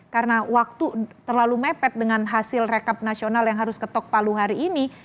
karena waktu terlalu mepet dengan hasil rekap nasional yang harus ketok palu hari ini